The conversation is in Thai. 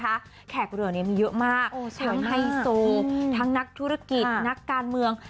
ที่แขกเหลือเนี่ยมีเยอะมากอ๋อเซอร์ไฮโซว์ตั้งทั้งนักธุรกิจนักการเมือง